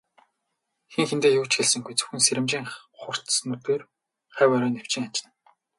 Хэн хэндээ юу ч хэлсэнгүй, зөвхөн сэрэмжийн хурц нүдээр хавь ойроо нэвчин ажна.